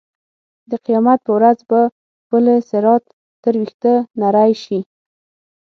د قیامت په ورځ به پل صراط تر وېښته نرۍ شي.